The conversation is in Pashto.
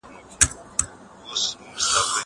دا کار بشپړ کړه!!